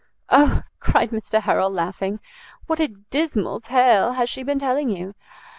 "O," cried Mr Harrel, laughing, "what a dismal tale has she been telling you!